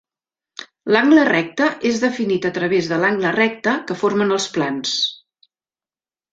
L'angle recte és definit a través de l'angle recte que formen els plans.